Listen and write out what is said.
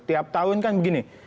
setiap tahun kan begini